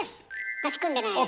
足組んでないですよ。